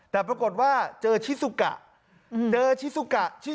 แต่ปรากฏว่าเจอชิสุกะเจอชิสุกะชื่อ